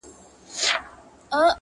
لا د مرګ په خوب ویده دی-!